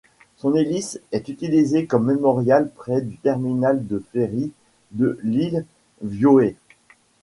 Son hélice est utilisée comme mémorial près du terminal de ferry de l'île Viðey.